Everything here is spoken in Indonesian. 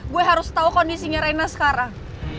gue harus tau kondisinya reina sekarang